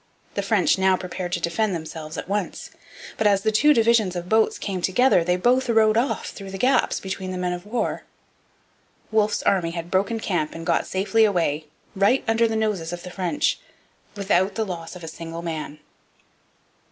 The French now prepared to defend themselves at once. But as the two divisions of boats came together, they both rowed off through the gaps between the men of war. Wolfe's army had broken camp and got safely away, right under the noses of the French, without the loss of a single man.